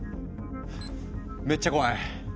めっちゃ怖い。